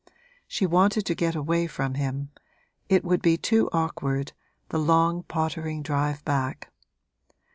She wanted to get away from him it would be too awkward, the long, pottering drive back.